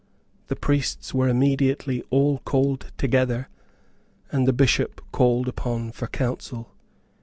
The priests were immediately all called together, and the Bishop called upon for counsel.